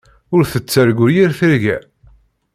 Ur tettargu yir tirga.